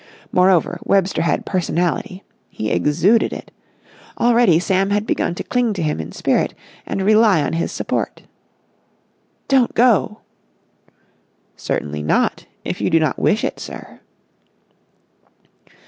Moreover, Webster had personality. He exuded it. Already Sam had begun to cling to him in spirit, and rely on his support. "Don't go!" "Certainly not, if you do not wish it, sir."